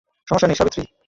সমস্যা নেই, সাবিত্রী।